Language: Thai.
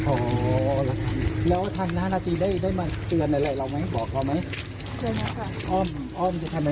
โอ้โห